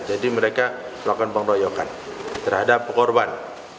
jadi mereka melakukan pengeroyokan terhadap korban